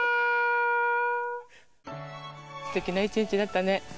ステキな一日だったね。